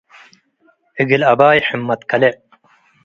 እግል አባይ ሕመት ከልዕ